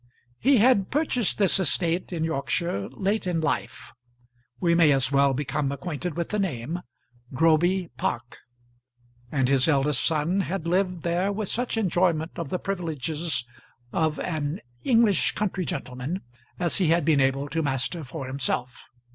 He had purchased this estate in Yorkshire late in life we may as well become acquainted with the name, Groby Park and his eldest son had lived there with such enjoyment of the privileges of an English country gentleman as he had been able to master for himself.